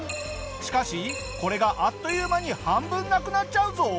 しかしこれがあっという間に半分なくなっちゃうぞ。